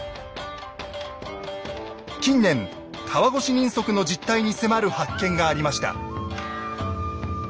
近年川越人足の実態に迫る発見がありました。